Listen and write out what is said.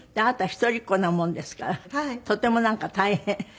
あなた一人っ子なもんですからとてもなんか大変？